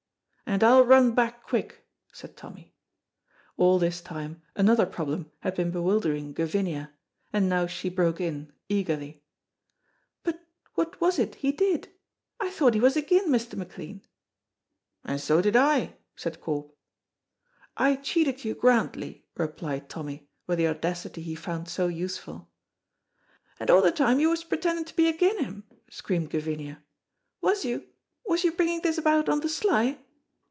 "And I'll run back quick," said Tommy. All this time another problem had been bewildering Gavinia, and now she broke in, eagerly: "But what was it he did? I thought he was agin Mr. McLean." "And so did I," said Corp. "I cheated you grandly," replied Tommy with the audacity he found so useful. "And a' the time you was pretending to be agin him," screamed Gavinia, "was you was you bringing this about on the sly?"